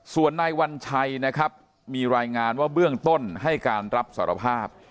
ส่วนนายวัญชัยนะครับมีรายงานว่าเบื้องต้นให้การรับสารภาพ